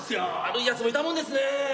悪いやつもいたもんですねぇ。